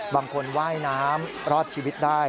บางคนว่ายน้ำรอดชีวิตได้